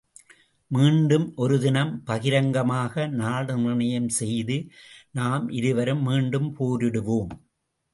மீண்டும் ஒரு தினம் பகிரங்கமாக நாள் நிர்ணயம் செய்து நாம் இருவருமே மீண்டும் போரிடுவோம்!...